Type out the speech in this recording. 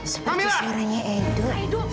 seperti suaranya aido